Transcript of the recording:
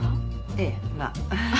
ええまあ。